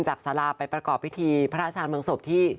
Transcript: สาราไปประกอบพิธีพระอาจารย์เมืองศพที่